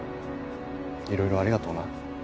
いろいろありがとうな。